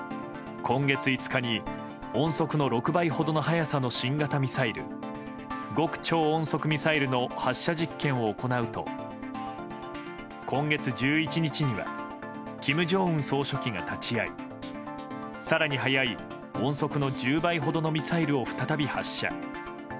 今月５日に、音速の６倍ほどの速さの新型ミサイル極超音速ミサイルの発射実験を行うと今月１１日には金正恩総書記が立ち合い更に速い音速の１０倍ほどのミサイルを再び発射。